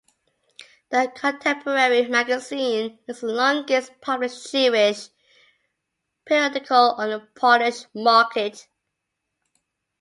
The contemporary magazine is the longest published Jewish periodical on the Polish market.